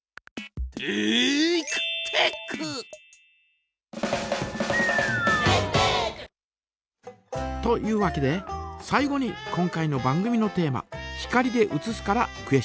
「テイクテック」！というわけで最後に今回の番組のテーマ「光で写す」からクエスチョン。